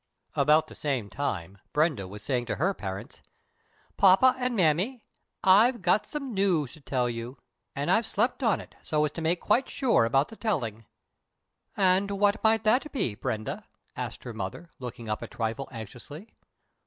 About the same time Brenda was saying to her parents: "Poppa and Mammy, I've got some news to tell you, and I've slept on it, so as to make quite sure about the telling." "And what might that be, Brenda?" asked her mother, looking up a trifle anxiously.